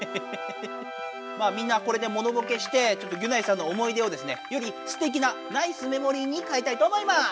まあみんなこれでモノボケしてちょっとギュナイさんの思い出をですねよりすてきなナイスメモリーにかえたいと思います。